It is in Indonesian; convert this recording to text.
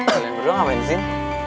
kalian berdua gak main zin